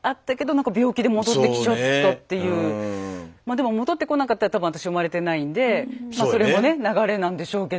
でも戻ってこなかったら多分私生まれてないんでそれもね流れなんでしょうけど。